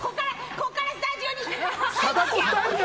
こっからスタジオに。